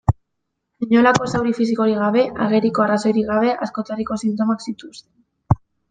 Inolako zauri fisikorik gabe, ageriko arrazoirik gabe, askotariko sintomak zituzten.